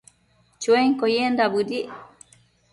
Chuenquio yendac bëdic